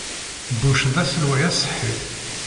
Bush d aselway aṣeḥḥi.